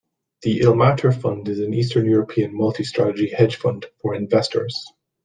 The Ilmatar Fund is an Eastern European multi-strategy hedge fund for investors.